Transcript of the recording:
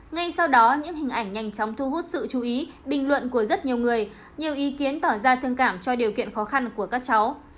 ngay sau đó những hình ảnh nhanh chóng thu hút sự chú ý bình luận của rất nhiều người nhiều ý kiến tỏ ra thương cảm cho điều kiện khó khăn của các cháu